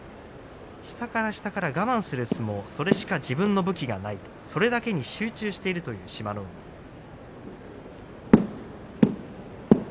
下から下から我慢する相撲そうしか自分の武器はない、それだけに集中しているという志摩ノ海です。